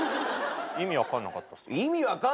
意味分かんなかったっすか？